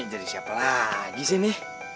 jadi siapa lagi sih ini